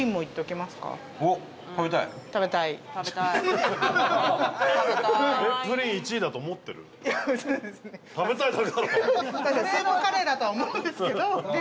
スープカレーだとは思うんですけど。